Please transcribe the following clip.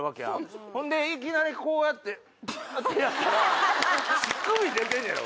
ほんでいきなりこうやってこうやってやったら乳首出てんねやろ？